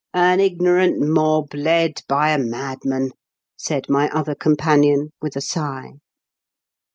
" An ignorant mob, led by a madman 1 " said my other companion, with a sigh.